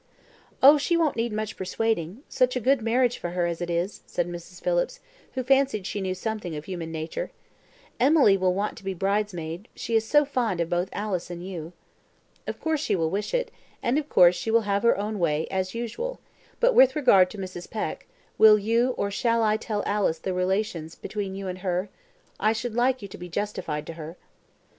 "Oh, she won't need much persuading, such a good marriage for her as it is," said Mrs. Phillips, who fancied she knew something of human nature. "Emily will want to be bridesmaid, she is so fond of both Alice and you." "Of course she will wish it, and of course she will have her own way, as usual; but with regard to Mrs. Peck, will you or shall I tell Alice the relation between you and her? I should like you to be justified to her."